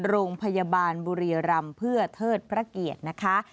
โรงพยาบาลบุรีรำเพื่อเทิดพระเกียรตินะคะ